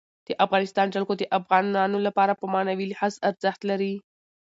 د افغانستان جلکو د افغانانو لپاره په معنوي لحاظ ارزښت لري.